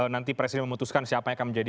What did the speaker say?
nanti presiden memutuskan siapa yang akan menjadi